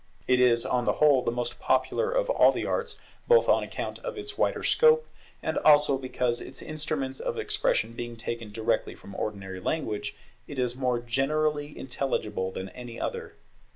It is, on the whole, the most popular of all the arts, both on account of its wider scope, and also because, its instruments of expression being taken directly from ordinary language, it is more generally intelligible than any other.